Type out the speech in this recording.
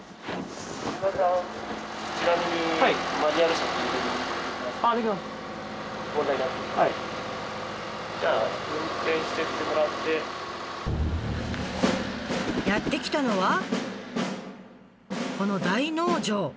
ちなみにやって来たのはこの大農場！